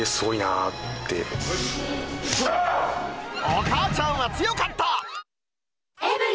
お母ちゃんは強かった。